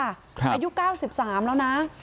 อายุ๙๓แล้วนะ